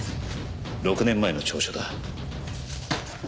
６年前の調書だ。